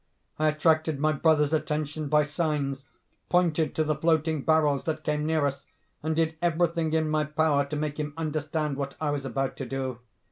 I attracted my brother's attention by signs, pointed to the floating barrels that came near us, and did everything in my power to make him understand what I was about to do.